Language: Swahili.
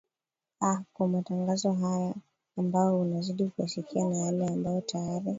aah kwa matangazo haya ambayo unazidi kuyasikia na yale ambayo tayari